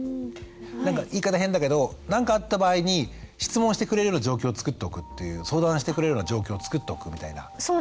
なんか言い方変だけど何かあった場合に質問してくれるような状況をつくっておくっていう相談してくれるような状況をつくっておくみたいな。